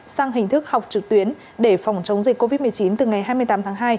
sang hình thức học trực tuyến để phòng chống dịch covid một mươi chín từ ngày hai mươi tám tháng hai